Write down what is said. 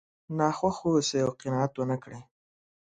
ناخوښ واوسئ او قناعت ونه کړئ.